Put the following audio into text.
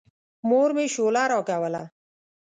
مور مې شوله راکوله.